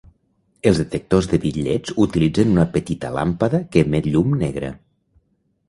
Els detectors de bitllets utilitzen una petita làmpada que emet llum negra.